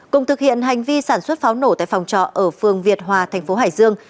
cùng thực hiện hành vi sản xuất pháo nổ tại phòng trọ ở phương việt hòa thành phố hải dương